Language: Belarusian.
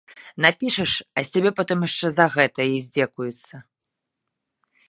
Напішаш, а з цябе потым яшчэ за гэта і здзекуюцца.